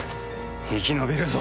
生き延びるぞ！